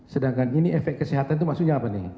sedangkan ini efek kesehatan itu maksudnya apa nih